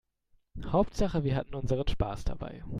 Hauptsache wir hatten unseren Spaß dabei.